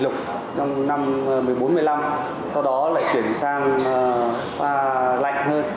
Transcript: trong năm một mươi bốn một mươi năm sau đó lại chuyển sang pha lạnh hơn